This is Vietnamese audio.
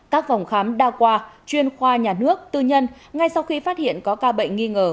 các phòng khám đa khoa chuyên khoa nhà nước tư nhân ngay sau khi phát hiện có ca bệnh nghi ngờ